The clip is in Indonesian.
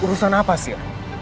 urusan apa sir